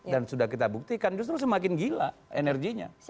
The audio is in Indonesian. dan sudah kita buktikan justru semakin gila energinya